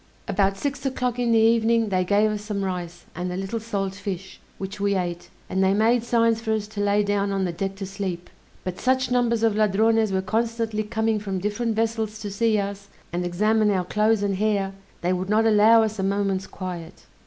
About six o'clock in the evening they gave us some rice and a little salt fish, which we ate, and they made signs for us to lay down on the deck to sleep; but such numbers of Ladrones were constantly coming from different vessels to see us, and examine our clothes and hair, they would not allow us a moment's quiet.